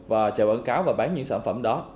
và chạy quảng cáo và bán những sản phẩm đó